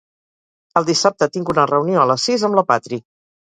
El dissabte tinc una reunió a les sis amb la Patri.